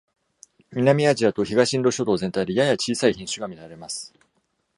南アジアと東インド諸島全体でやや小さい品種が見られます。